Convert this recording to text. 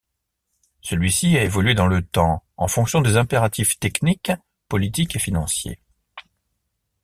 Celui-ci a évolué dans le temps en fonction des impératifs techniques, politiques et financiers.